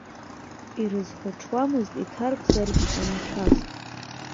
Ирзыхәаҽуамызт, иҭаркзаргь амацәаз.